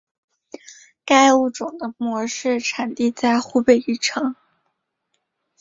该物种的模式产地在湖北宜昌。